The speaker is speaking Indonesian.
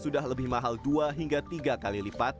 sudah lebih mahal dua hingga tiga kali lipat